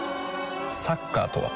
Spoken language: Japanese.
サッカーとは？